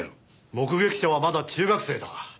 目撃者はまだ中学生だ。